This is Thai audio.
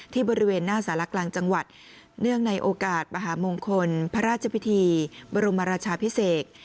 บริเวณหน้าสารกลางจังหวัดเนื่องในโอกาสมหามงคลพระราชพิธีบรมราชาพิเศษ